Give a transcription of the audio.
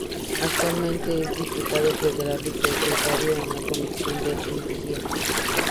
Actualmente, es Diputado Federal y Secretario en la Comisión de Energía.